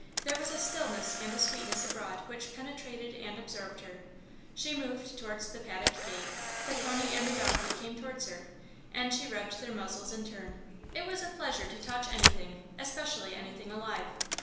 There was a stillness and a sweetness abroad which penetrated and absorbed her. She moved towards the paddock gate; the pony and the donkey came towards her, and she rubbed their muzzles in turn. It was a pleasure to touch anything, especially anything alive.